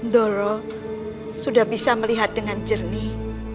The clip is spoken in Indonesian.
dolo sudah bisa melihat dengan jernih